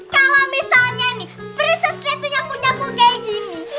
kalau misalnya nih prinsesnya itu nyapu nyapu kayak gini